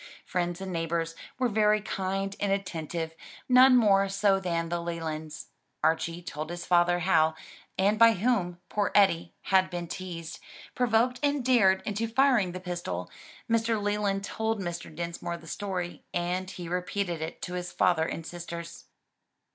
Friends and neighbors were very kind and attentive, none more so than the Lelands. Archie told his father how, and by whom, poor Eddie had been teased, provoked and dared into firing the pistol; Mr. Leland told Mr. Dinsmore the story, and he repeated it to his father and sisters.